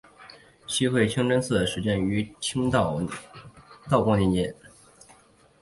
西会清真寺始建于清朝道光年间。